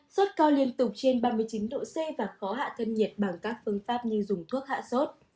sốt cao liên tục trên ba mươi chín độ c và khó hạ thân nhiệt bằng các phương pháp như dùng thuốc hạ sốt